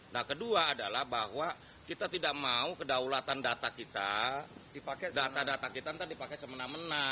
nah kedua adalah bahwa kita tidak mau kedaulatan data kita data data kita dipakai semena mena